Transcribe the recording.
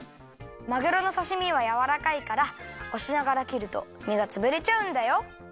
まぐろのさしみはやわらかいからおしながらきるとみがつぶれちゃうんだよ。